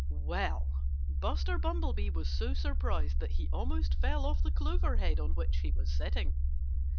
Well, Buster Bumblebee was so surprised that he almost fell off the clover head on which he was sitting.